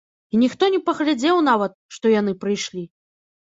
І ніхто не паглядзеў нават, што яны прыйшлі.